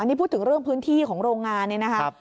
นี่พูดถึงเรื่องพื้นที่ของโรงงานเนี่ยนะครับ